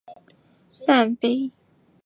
但并非世界的中心就代表地球的肚脐。